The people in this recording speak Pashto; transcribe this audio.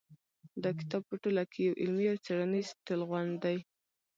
دا کتاب په ټوله کې یو علمي او څېړنیز ټولغونډ دی.